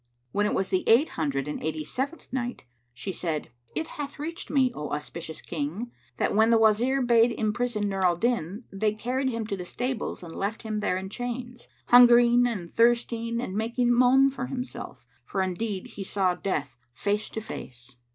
When it was the Eight Hundred and Eighty seventh Night, She said, It hath reached me, O auspicious King, that when the Wazir bade imprison Nur al Din, they carried him to the stables and left him there in chains, hungering and thirsting and making moan for himself; for indeed he saw death face to face.